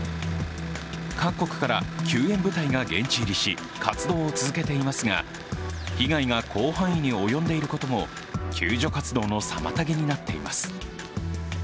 各国から救援部隊が現地入りし活動を続けていますが被害が広範囲に及んでいることも救助活動の妨げになっています。